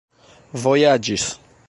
vojaĝis